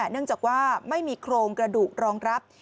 เนื่องจากว่าไม่มีโครงกระดูกรองรับ